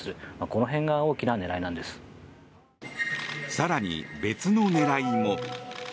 更に、別の狙いも。